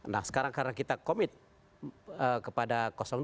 nah sekarang karena kita komit kepada dua